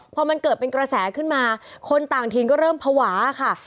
พอมันเกิดเป็นกระแสขึ้นมาคนต่างถิ่นก็เริ่มภาวะค่ะ